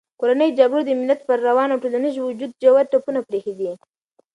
کورنیو جګړو د ملت پر روان او ټولنیز وجود ژور ټپونه پرېښي دي.